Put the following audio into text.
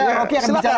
rocky akan bicara